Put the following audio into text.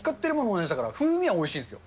同じだから、風味はおいしいですよ。